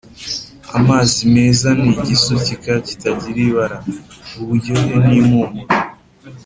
amazi meza ni igisukika kitagira ibara, uburyohe n’impumuro.